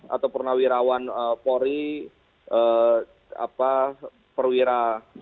atau pernawirawan pori perwira